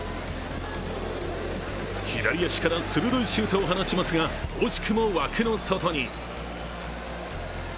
左足から鋭いシュートを放ちますが、惜しくも枠の外に。